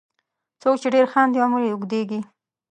• څوک چې ډېر خاندي، عمر یې اوږدیږي.